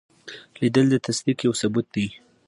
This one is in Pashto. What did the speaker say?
لیدل د تصدیق یو ثبوت دی